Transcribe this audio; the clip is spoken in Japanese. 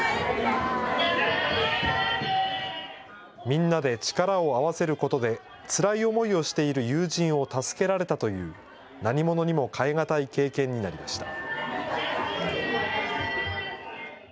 みんなで力を合わせることで、つらい思いをしている友人を助けられたという、何物にも代え難い経験になりました。